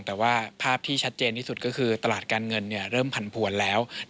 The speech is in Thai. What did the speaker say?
แต่ว่าภาพที่ชัดเจนที่สุดก็คือตลาดการเงินเริ่มผันผวนแล้ว